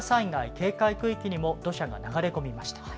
警戒区域にも土砂が流れ込みました。